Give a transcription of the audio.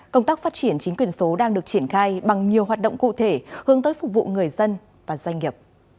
công tác phát triển chính quyền số đang được triển khai bằng nhiều hoạt động cụ thể hướng tới phục vụ người dân và doanh nghiệp